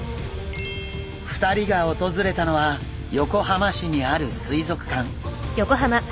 ２人が訪れたのは横浜市にある水族館。